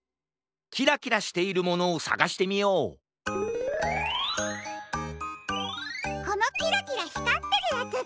キラキラしているものをさがしてみようこのキラキラひかってるヤツだ！